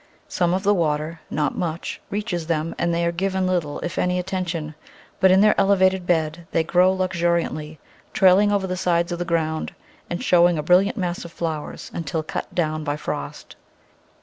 Some of the water — not much — reaches them, and they are given little, if any, atten tion, but in their elevated bed they grow luxuriantly, trailing over the sides of the ground and showing a brilliant mass of flowers until cut down by frost.